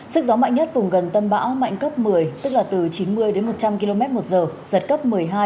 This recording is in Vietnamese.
sức gió mạnh nhất vùng gần tâm bão mạnh cấp một mươi tức là từ chín mươi đến một trăm linh km một giờ giật cấp một mươi hai